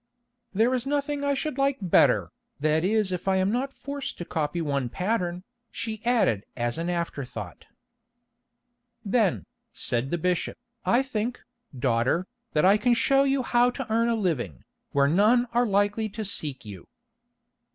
"There is nothing I should like better, that is if I am not forced to copy one pattern," she added as an afterthought. "Then," said the bishop, "I think, daughter, that I can show you how to earn a living, where none are likely to seek for you."